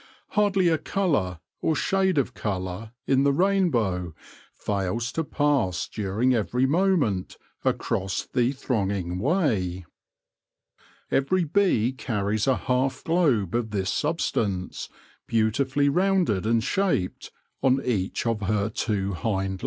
Hardly a colour, or shade of colour, in the rainbow fails to pass during every moment across the thronging way. Every bee carries a half globe of this substance, beautifully rounded and shaped, on each of her two hind legs.